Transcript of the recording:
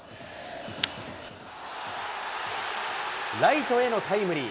ライトへのタイムリー。